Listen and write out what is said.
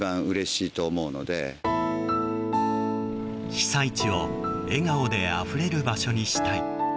被災地を笑顔であふれる場所にしたい。